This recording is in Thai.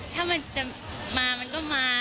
ถ้ามันจะมามันก็มา